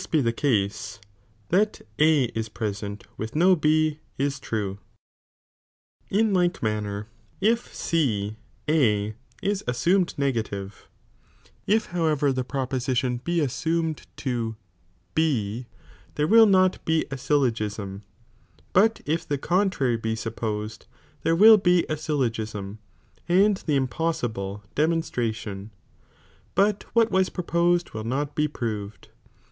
[bOOK IL In like manner, if C A is assumi d negative; if liowever the proposition be assumed to B, there will not be a sjUogisni, but if the contrary be supposed, there will be a syllogism, and the impossibile (demonstration), but what was propoaed will not be proved.